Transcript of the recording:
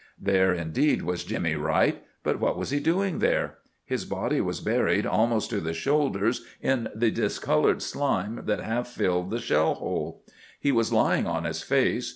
There, indeed, was Jimmy Wright, but what was he doing there? His body was buried almost to the shoulders in the discoloured slime that half filled the shell hole. He was lying on his face.